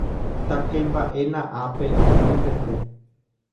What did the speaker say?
Takemba'éna ápe, yvýpente.